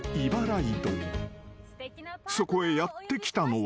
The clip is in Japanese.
［そこへやって来たのは］